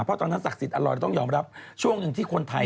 เพราะตอนนั้นศักดิ์สิทธิ์อร่อยเราต้องยอมรับช่วงหนึ่งที่คนไทย